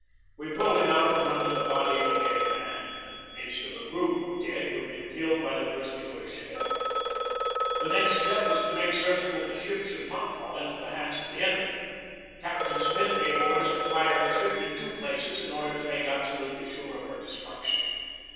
We pulled him out from under the body of a dead man, in the midst of a group of dead who had been killed by the bursting of a shell. The next step was to make certain that the ship should not fall into the hands of the enemy. Cap tain Smith gave orders to fire the ship in two places in order to make absolutely sure of her destruction.